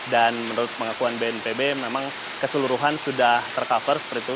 dan menurut pengakuan bnpb memang keseluruhan sudah ter cover seperti itu